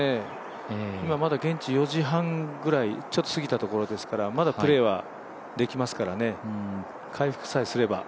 今まだ現地４時半ぐらいちょっと過ぎたところですからまだプレーはできますからね、回復さえすれば。